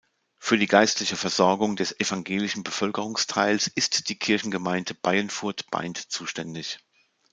Für die geistliche Versorgung des evangelischen Bevölkerungsteils ist die Kirchengemeinde Baienfurt-Baindt zuständig.